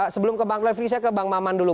sebelum ke bang revli saya ke bang laman dulu